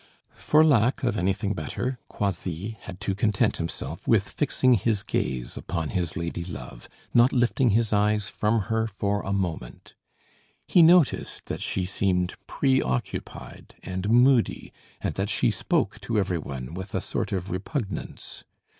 For lack of anything better, Croisilles had to content himself with fixing his gaze upon his lady love, not lifting his eyes from her for a moment. He noticed that she seemed pre occupied and moody, and that she spoke to every one with a sort of repugnance.